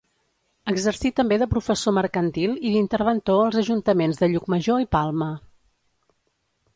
Exercí també de professor mercantil i d'interventor als ajuntaments de Llucmajor i Palma.